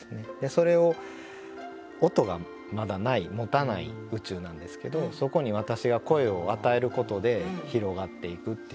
それを音がまだない持たない宇宙なんですけどそこに「わたし」が声を与えることで広がっていくっていう。